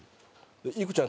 「いくちゃん